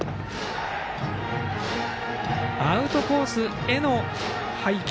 アウトコースへの配球。